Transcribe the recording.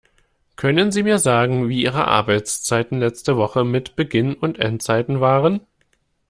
Können Sie mir sagen, wie Ihre Arbeitszeiten letzte Woche mit Beginn und Endzeiten waren?